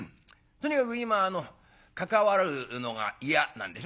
とにかく今あの関わるのが嫌なんでしょ？」。